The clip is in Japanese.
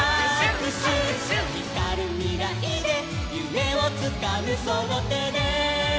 「ひかるみらいでゆめをつかむそのてで」